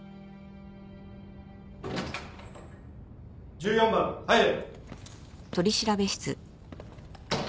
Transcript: １４番入れ。